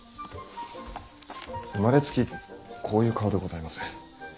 生まれつきこういう顔でございます。